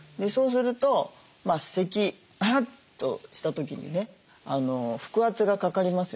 そうするとせきうふっとした時にね腹圧がかかりますよね。